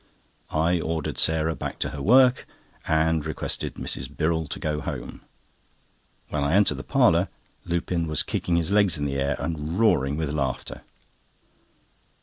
I ordered Sarah back to her work, and requested Mrs. Birrell to go home. When I entered the parlour Lupin was kicking his legs in the air, and roaring with laughter.